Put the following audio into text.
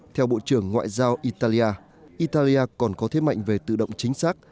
theo bộ trưởng ngoại giao italia italia còn có thế mạnh về tự động chính xác